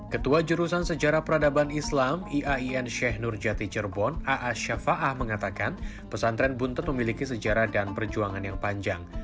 ketua jurusan sejarah peradaban islam iain syekh nurjati cerbon a a syafa ah mengatakan pesantren buntet memiliki sejarah dan perjuangan yang panjang